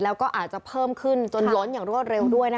แล้วก็อาจจะเพิ่มขึ้นจนล้นอย่างรวดเร็วด้วยนะคะ